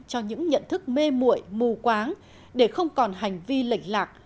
cho những nhận thức mê mụi mù quáng để không còn hành vi lệch lạc